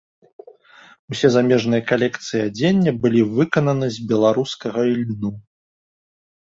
Усе замежныя калекцыі адзення былі выкананы з беларускага ільну.